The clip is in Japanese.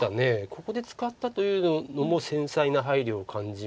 ここで使ったというのも繊細な配慮を感じます。